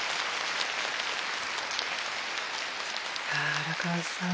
荒川さん